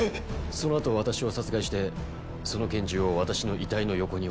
そのあと私を殺害してその拳銃を私の遺体の横に置いておく。